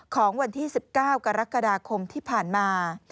ของวันที่๑๙กรกฎาคมที่ผ่านมา